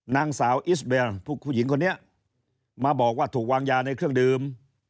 นางสาวอิสเบลผู้หญิงคนนี้มาบอกว่าถูกวางยาในเครื่องดื่ม